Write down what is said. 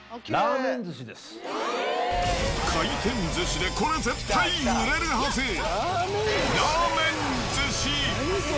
回転寿司でこれ絶対売れるはず、ラーメン寿司。